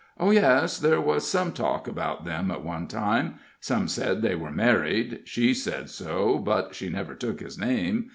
"Oh, yes there was some talk about them at one time. Some said they were married she said so, but she never took his name.